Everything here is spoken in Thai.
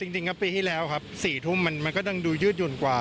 จริงก็ปีที่แล้วครับ๔ทุ่มมันก็ยังดูยืดหยุ่นกว่า